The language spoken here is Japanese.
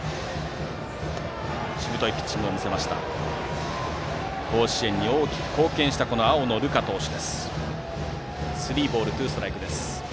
しぶといピッチングを見せ甲子園に大きく貢献した青野投手。